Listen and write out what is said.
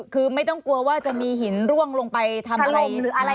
คือไม่ต้องกลัวว่าจะมีหินร่วงลงไปทำอะไร